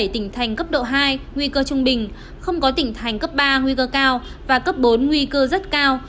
bảy tỉnh thành cấp độ hai nguy cơ trung bình không có tỉnh thành cấp ba nguy cơ cao và cấp bốn nguy cơ rất cao